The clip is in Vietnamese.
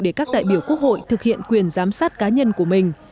để các đại biểu quốc hội thực hiện quyền giám sát cá nhân của mình